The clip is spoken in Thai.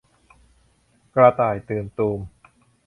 กระต่ายตื่นตูม